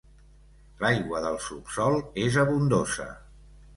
L'aigua del subsòl és abundosa.